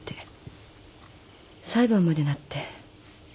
裁判までなって。